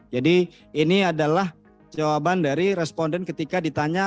jadi ini adalah jawaban dari responden ketika ditanya